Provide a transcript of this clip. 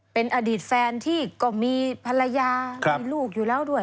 เป็นอดีตแฟนที่ก็มีภรรยามีลูกอยู่แล้วด้วย